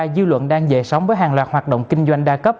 dư luận đang dạy sống với hàng loạt hoạt động kinh doanh đa cấp